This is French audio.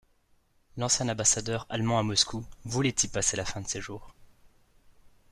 L'ancien ambassadeur allemand à Moscou voulait y passer la fin de ses jours.